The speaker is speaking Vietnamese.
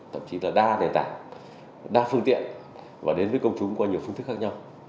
thậm chí là đa nền tảng đa phương tiện và đến với công chúng qua nhiều phương thức khác nhau